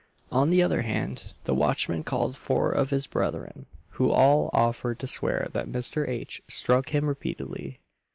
On the other hand, the watchman called four of his brethren, who all offered to swear that Mr. H. struck him repeatedly.